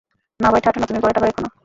না ভাই, ঠাট্টা না, তুমি ঘরে টাকা রেখো না।